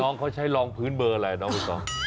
น้องเค้าใช้รองพื้นเบอร์อะไรอ่ะน้องพี่สอง